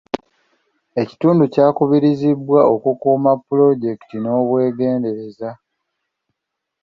Ekitundu kyakubiriziddwa okukuuma pulojekiti n'obwegendereza.